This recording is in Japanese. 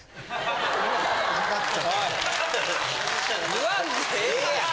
言わんでええやん！